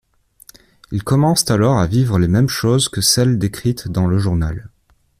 Ils commencent alors à vivre les mêmes choses que celles décrites dans le journal...